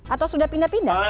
atau sudah pindah pindah